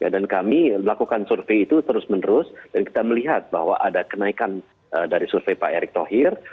dan kami melakukan survei itu terus menerus dan kita melihat bahwa ada kenaikan dari survei pak erick thohir